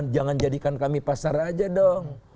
jangan jadikan kami pasar aja dong